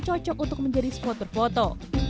cocok untuk menjadi spot berfoto